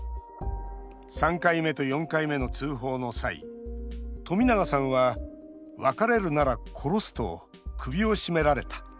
３回目と４回目の通報の際冨永さんは「別れるなら殺すと首を絞められた」。